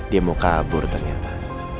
dia mau kabur ternyata